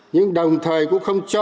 nhưng đồng thời cũng không chọc